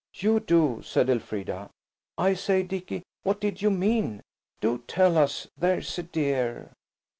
"You do," said Elfrida. "I say, Dicky, what did you mean? Do tell us–there's a dear."